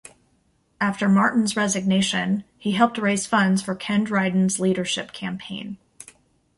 After Martin's resignation, he helped raise funds for Ken Dryden's leadership campaign.